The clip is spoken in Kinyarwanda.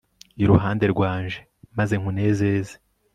iruhande rwanje maze nkunezeze